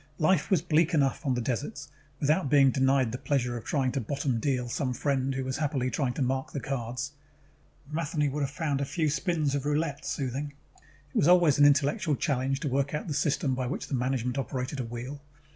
Life was bleak enough on the deserts, without being denied the pleasure of trying to bottom deal some friend who was happily trying to mark the cards. Matheny would have found a few spins of roulette soothing: it was always an intellectual challenge to work out the system by which the management operated a wheel.